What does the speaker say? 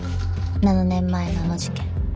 ７年前のあの事件。